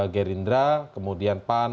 gerindra kemudian pan